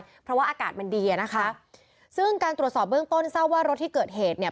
เพราะว่าอากาศมันดีอ่ะนะคะซึ่งการตรวจสอบเบื้องต้นทราบว่ารถที่เกิดเหตุเนี่ย